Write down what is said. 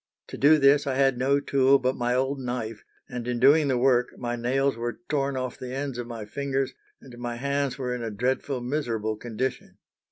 To do this I had no tool but my old knife, and in doing the work my nails were torn off the ends of my fingers, and my hands were in a dreadful, miserable condition.